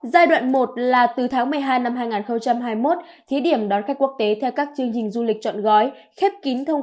giai đoạn một là từ tháng một mươi hai năm hai nghìn hai mươi một thí điểm đón khách quốc tế theo các chương trình du lịch trọn gói